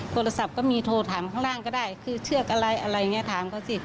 โทรศัพท์ก็มีโทรถามข้างล่างก็ได้คือเชือกอะไรอะไรอย่างนี้ถามเขาสิ